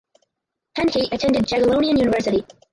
Handke attended Jagiellonian University.